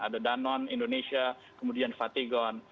ada danon indonesia kemudian fatigon